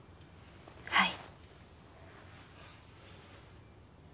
はい。